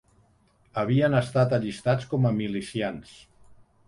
Havien estat allistats com a milicians